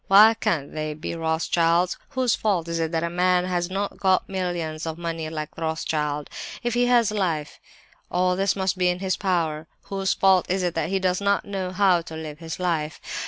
Why can't they be Rothschilds? Whose fault is it that a man has not got millions of money like Rothschild? If he has life, all this must be in his power! Whose fault is it that he does not know how to live his life?